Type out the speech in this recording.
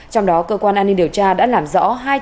trong đó cơ quan an ninh điều tra đã làm rõ